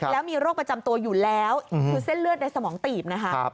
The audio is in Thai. แล้วมีโรคประจำตัวอยู่แล้วคือเส้นเลือดในสมองตีบนะคะ